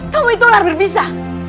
kamu itu lar berbisa